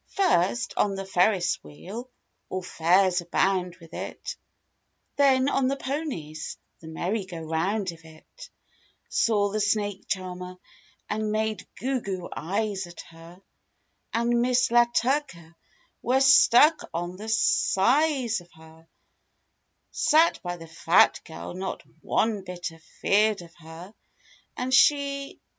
First, on the Ferris wheel, all fairs abound with it; Then on the ponies—the merry go round of it; Saw the snake charmer and made goo goo eyes at her; And Miss La Turka—^we're stuck on the size of her ; Sat by the "fat girl" not one bit "a feerd" of her; And she